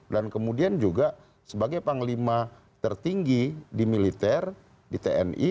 dan kemudian juga sebagai panglima tertinggi di militer di tni